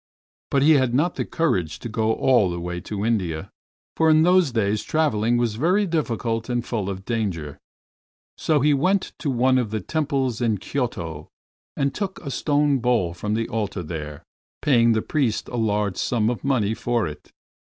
But he had not the courage to go all the way to India, for in those days traveling was very difficult and full of danger, so he went to one of the temples in Kyoto and took a stone bowl from the altar there, paying the priest a large sum of money for it.